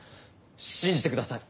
信じてください！